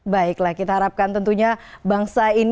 baiklah kita harapkan tentunya bangsa ini selalu berkembang